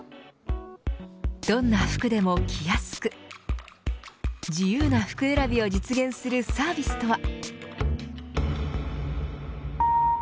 どんな服でも着やすく自由な服選びを実現するサービスとは。